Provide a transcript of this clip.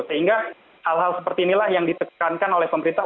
sehingga hal hal seperti inilah yang ditekankan oleh pemerintah